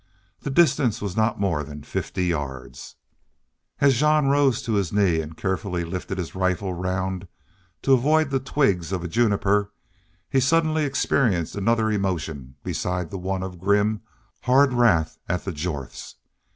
The distance was not more than fifty yards. As Jean rose to his knee and carefully lifted his rifle round to avoid the twigs of a juniper he suddenly experienced another emotion besides the one of grim, hard wrath at the Jorths.